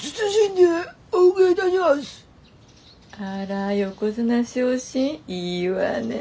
あら横綱昇進いいわねぇ。